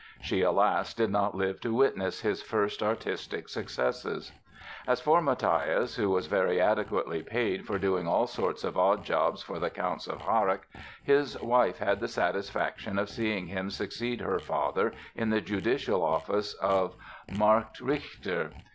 She, alas, did not live to witness his first artistic successes. As for Mathias, who was very adequately paid for doing all sorts of odd jobs for the Counts of Harrach, his wife had the satisfaction of seeing him succeed her father in the judicial office of "Marktrichter."